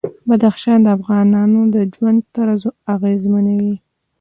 بدخشان د افغانانو د ژوند طرز اغېزمنوي.